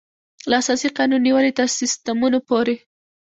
له اساسي قانون نېولې تر سیسټمونو پورې.